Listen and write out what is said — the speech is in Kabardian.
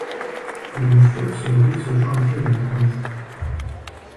ИужькӀэ псори псы щӀыӀэкӀэ ятхьэщӀ.